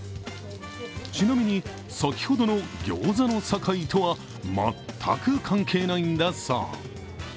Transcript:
ちなみに、先ほどのギョーザのさかいとは全く関係ないんだそう。